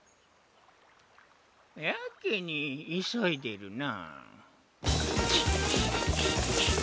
やけにいそいでるな。